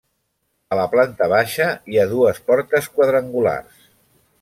A la planta baixa hi ha dues portes quadrangulars.